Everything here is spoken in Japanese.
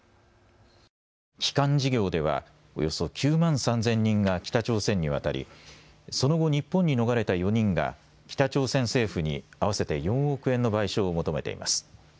帰還事業ではおよそ９万３０００人が北朝鮮に渡り、その後、日本に逃れた４人が北朝鮮政府に合わせて４億円の賠償を求めています。